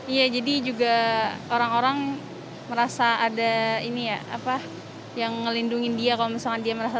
iya jadi juga orang orang merasa ada ini ya apa yang ngelindungi dia kalau misalkan dia merasa